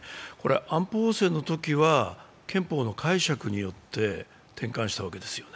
安保法制のときは憲法の解釈によって転換したわけですよね。